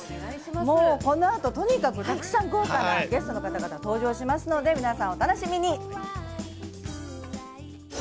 このあと、とにかくたくさん豪華なゲストの方々が登場しますので皆さんお楽しみに。